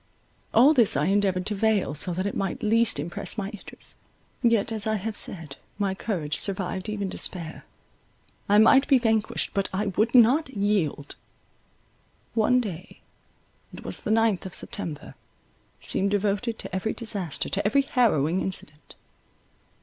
All this I endeavoured to veil, so that it might least impress my Idris; yet, as I have said, my courage survived even despair: I might be vanquished, but I would not yield. One day, it was the ninth of September, seemed devoted to every disaster, to every harrowing incident.